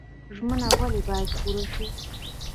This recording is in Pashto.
ژمنه ولې باید پوره شي؟